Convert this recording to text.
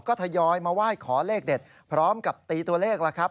ก็ทยอยมาไหว้ขอเลขเด็ดพร้อมกับตีตัวเลขแล้วครับ